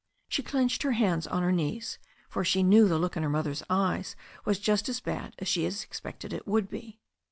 She clenched her hands on her knees, for she knew the look in her mother's eyes was just as bad as she had expected it would be.